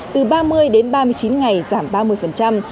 từ ba mươi đến ba mươi chín ngày giảm ba mươi